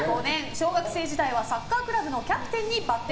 小学生時代はサッカークラブのキャプテンに抜擢。